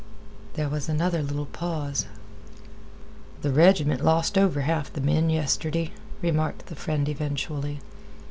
There was another little pause. "Th' reg'ment lost over half th' men yestirday," remarked the friend eventually.